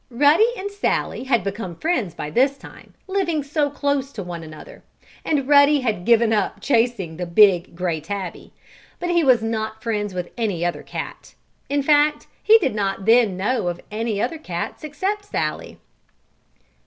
Ruddy and Sallie had become friends by this time, living so close to one another, and Ruddy had given up chasing the big, gray tabby. But he was not friends with any other cat. In fact he did not then know any other cats except Sallie.